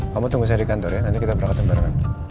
kamu tunggu saya di kantor ya nanti kita berangkat sembarangan